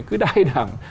cứ đai đẳng